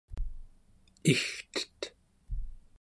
igtet